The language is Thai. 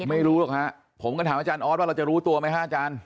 ไม่รู้หรอกฮะผมก็ถามอาจารย์ออสว่าเราจะรู้ตัวไหมฮะอาจารย์